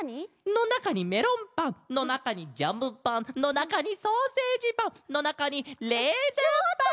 のなかにメロンパンのなかにジャムパンのなかにソーセージパンのなかにレーズンパン！